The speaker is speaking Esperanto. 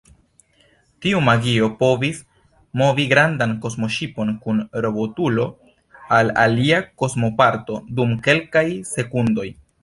Tiu magio povis movi grandan kosmoŝipon kun robotulo al alia kosmoparto dum kelkaj sekundoj.